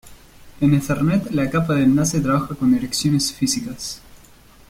En Ethernet, la capa de enlace trabaja con direcciones físicas.